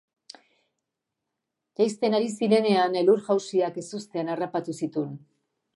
Jaisten ari zirenean, elur-jausiak ezustean harrapatu zituen.